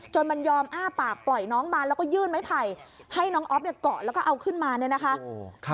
จนมันยอมอ้าปากปล่อยน้องมาแล้วก็ยื่นไม้ไผ่ให้น้องอ๊อฟเนี่ยเกาะแล้วก็เอาขึ้นมาเนี่ยนะคะ